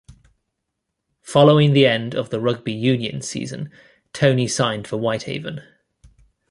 Following the end of the Rugby union season Tony signed for Whitehaven.